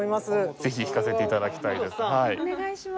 ぜひ弾かせて頂きたいです。